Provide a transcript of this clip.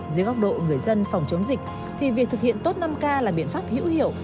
dưới góc độ người dân phòng chống dịch thì việc thực hiện tốt năm k là biện pháp hữu hiệu